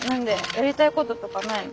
やりたいこととかないの？